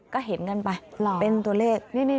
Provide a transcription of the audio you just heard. ก็เห็นกันไปเป็นตัวเลข